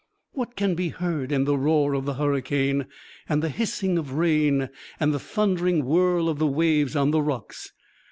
What can be heard in the roar of the hurricane, and the hissing of rain, and the thundering whirl of the waves on the rocks?